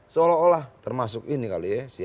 seolah olah termasuk ini kali ya